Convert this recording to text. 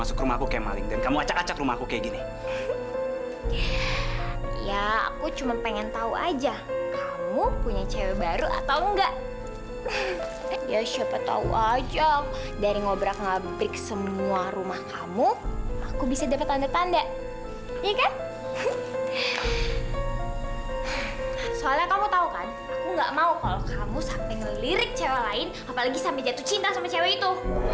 soalnya kamu tau kan aku gak mau kalau kamu sampai ngelirik cewek lain apalagi sampai jatuh cinta sama cewek itu